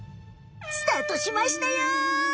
スタートしましたよ！